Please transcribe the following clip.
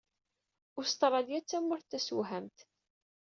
Ustṛalya d tamurt tasewhamt.